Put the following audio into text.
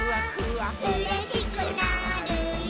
「うれしくなるよ」